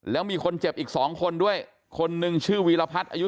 แล้วมีคนเจ็บอีก๒คนด้วยคนหนึ่งชื่อวีรพัฒน์อายุ